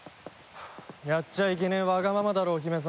やっちゃいけねえワガママだろお姫様。